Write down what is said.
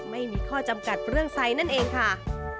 ไม่มีข้อจำกัดเรื่องไซด์นั่นเองค่ะ